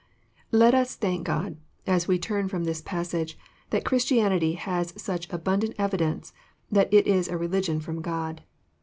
Let us thank God, as we tnm from this passage, that Christianity has such abundant evidence that it is a religion from God.